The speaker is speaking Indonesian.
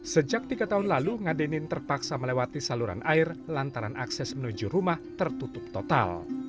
sejak tiga tahun lalu ngadenin terpaksa melewati saluran air lantaran akses menuju rumah tertutup total